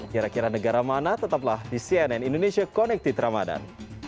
kira kira negara mana tetaplah di cnn indonesia connected ramadan